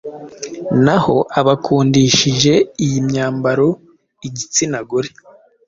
naho abakundishije iyi myambaro igitsina gore